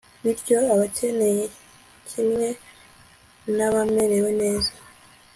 Bityo abakene kimwe nabamerewe neza